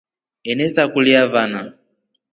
Enesakulya vana.